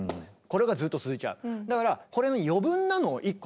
これがずっと続いちゃう。